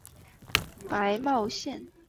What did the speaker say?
白茂线